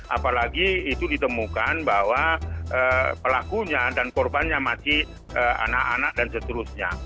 apalagi itu ditemukan bahwa pelakunya dan korbannya masih anak anak dan seterusnya